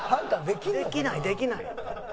できないできない。